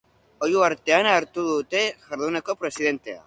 Oihu artean hartu dute jarduneko presidentea.